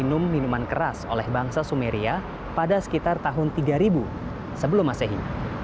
minum minuman keras oleh bangsa sumeria pada sekitar tahun tiga ribu sebelum masehi